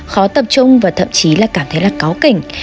khó tập trung và thậm chí là cảm thấy là có kỉnh